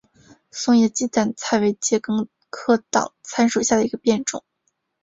松叶鸡蛋参为桔梗科党参属下的一个变种。